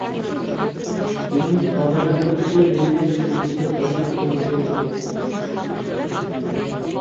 তিনি "অজানা ব্যক্তিদের" বিরুদ্ধে পুলিশে ঘটনাটি রিপোর্ট করেছিলেন।